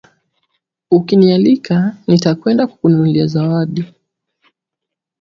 Ukinialika nitakwenda kukununulia zawadi